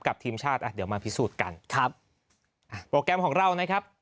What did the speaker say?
ทีมชาติอ่ะเดี๋ยวมาพิสูจน์กันครับอ่าโปรแกรมของเรานะครับ